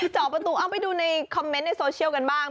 เจาะประตูเอาไปดูในคอมเมนต์ในโซเชียลกันบ้าง